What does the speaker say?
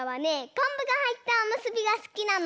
こんぶがはいったおむすびがすきなの。